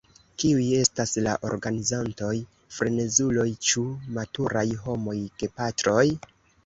Kiuj estas la organizantoj-frenezuloj, ĉu maturaj homoj, gepatroj?